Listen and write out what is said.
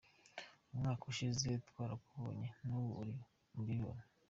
Umwaka ushize twarakubanye, n’ubu niko mbibona.